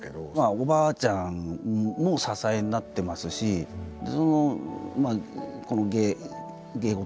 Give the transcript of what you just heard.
おばあちゃんも支えになってますしこの芸芸事。